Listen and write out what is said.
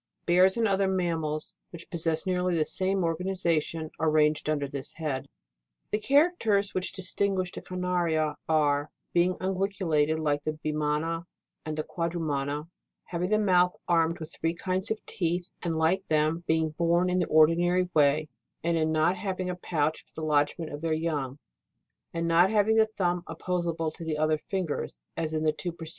Bears and other mammals which possess nearly the same organisation, are ranged under this head. 2. The characters which distinguish the Carnaria, are, being unguiculated like the Bimana and Quadrumana, having the mouth armed with three kinds of teeth, and like them, being born in the ordinary way, and in not having a pouch for the lodgement of their young, and not having the thumb opposable to the other fingers as in the two preceding orders.